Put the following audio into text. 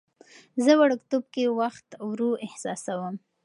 زه وړوکتوب کې وخت ورو احساسوم.